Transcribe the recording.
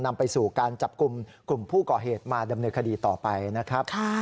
นำไปสู่การจับกลุ่มกลุ่มผู้ก่อเหตุมาดำเนินคดีต่อไปนะครับ